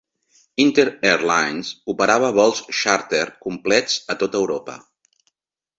Inter Airlines operava vols xàrter complets a tot Europa.